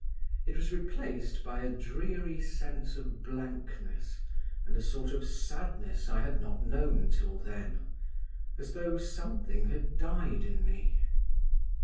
It was replaced by a dreary sense of blankness and a sort of sadness I had not known till then, as though something had died in me.